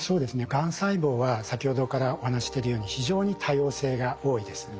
がん細胞は先ほどからお話ししてるように非常に多様性が多いです。